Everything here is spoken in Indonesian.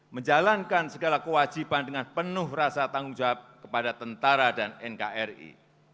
menjalankan segala kewajiban dengan penuh rasa tanggung jawab kepada tentara dan nkri